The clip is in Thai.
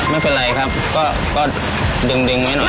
ไม่เป็นไรครับก็ดึงไว้หน่อย